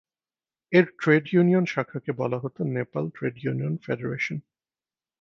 এর trade union শাখাকে বলা হতো নেপাল ট্রেড ইউনিয়ন ফেডারেশন।